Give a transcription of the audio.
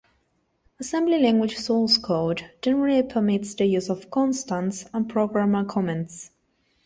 Assembly language source code generally permits the use of constants and programmer comments.